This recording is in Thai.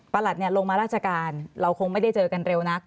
ปรัตินี่ลงมาราชการเราคงไม่ได้เจอกันเร็วนะ